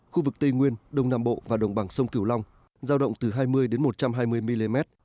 khu vực tây nguyên đông nam bộ và đồng bằng sông kiểu long giao động từ hai mươi một trăm hai mươi mm